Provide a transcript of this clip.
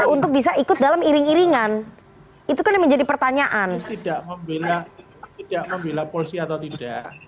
untuk bisa ikut dalam iring iringan itukan menjadi pertanyaan tidak memiliki aktif popular atau tidak